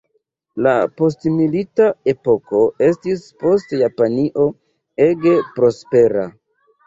La postmilita epoko estis por Japanio ege prospera.